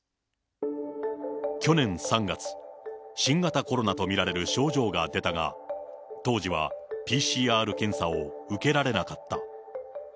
去年３月、新型コロナと見られる症状が出たが、当時はＰＣＲ検査を受けられなかった。